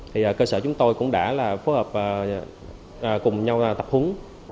thì cơ sở chúng tôi cũng đã phối hợp cùng nhau tập hứng